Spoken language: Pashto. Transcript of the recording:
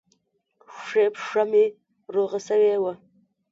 ښۍ پښه مې روغه سوې وه.